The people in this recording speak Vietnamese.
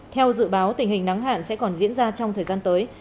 theo dự báo tình hình nắng hạn sẽ còn diễn ra trong thời gian tới